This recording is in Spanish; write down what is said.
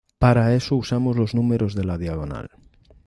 Para eso usamos los números de la diagonal.